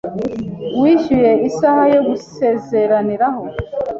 wishyuye isaha yo gusezeraniraho